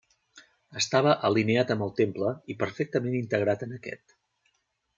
Estava alineat amb el temple i perfectament integrat en aquest.